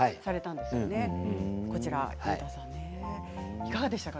いかがでしたか？